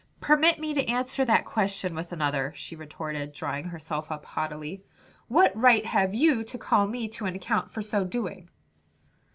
"Permit me to answer that question with another," she retorted, drawing herself up haughtily, "what right have you to call me to an account for so doing?"